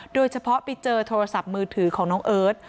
โดยเฉพาะไปเจอโทรศัพท์มือถือของน้องเอิร์ท